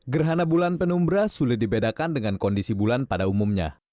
gerhana bulan penumbra sulit dibedakan dengan kondisi bulan pada umumnya